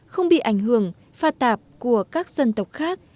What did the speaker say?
không bị ảnh hưởng pha tạp của các dân tộc khác